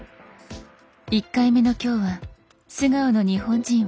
１回目の今日は「素顔の日本人」を。